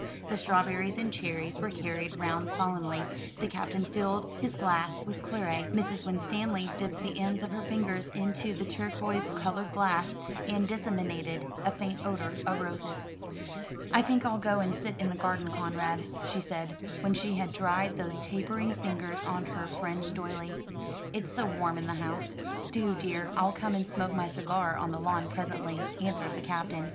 The strawberries and cherries were carried round solemnly, the Captain filled his glass with claret, Mrs. Winstanley dipped the ends of her fingers into the turquois coloured glass, and disseminated a faint odour of roses. "I think I'll go and sit in the garden, Conrad," she said, when she had dried those tapering fingers on her fringed doiley. "It's so warm in the house." "Do, dear. I'll come and smoke my cigar on the lawn presently," answered the Captain.